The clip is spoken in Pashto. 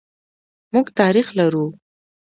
موږ تاریخ لرو.